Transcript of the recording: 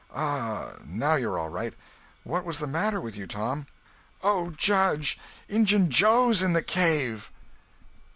"Ah, now you're all right. What was the matter with you, Tom?" "Oh, Judge, Injun Joe's in the cave!"